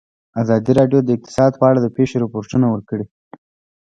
ازادي راډیو د اقتصاد په اړه د پېښو رپوټونه ورکړي.